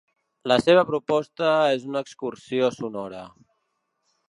La seva proposta és una excursió sonora.